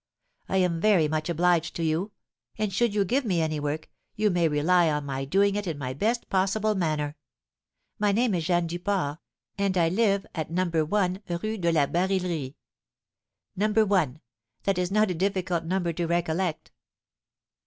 I am very much obliged to you; and should you give me any work, you may rely on my doing it in my best possible manner. My name is Jeanne Duport, and I live at No. 1 Rue de la Barillerie, No. 1, that is not a difficult number to recollect."